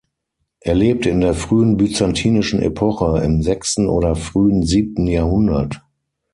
Er lebte in der frühen byzantinischen Epoche, im sechsten oder frühen siebten Jahrhundert.